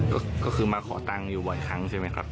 ก็คือมาขอตังค์อยู่บ่อยครั้งใช่ไหมครับ